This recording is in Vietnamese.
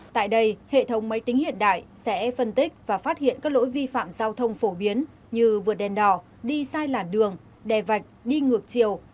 tại đây hệ thống máy tính hiện đại sẽ phân tích và phát hiện các lỗi vi phạm giao thông phổ biến như vượt đèn đỏ đi sai làn đường đè vạch đi ngược chiều